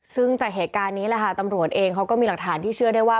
ซึ่งจากเหตุการณ์นี้แหละค่ะตำรวจเองเขาก็มีหลักฐานที่เชื่อได้ว่า